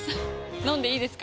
飲んでいいですか？